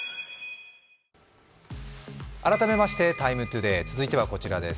改めまして「ＴＩＭＥＴＯＤＡＹ」続いてこちらです。